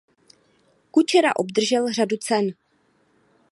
Kučera obdržel řadu cen.